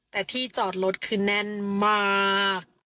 แต่ที่จอดรถคือแน่นมาก